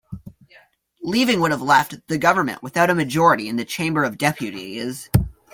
Leaving would have left the government without a majority in the Chamber of Deputies.